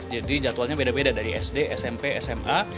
jadi jadwalnya beda beda dari sd smp sma